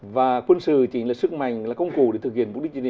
và quân sự chính là sức mạnh là công cụ để thực hiện mục đích chính trị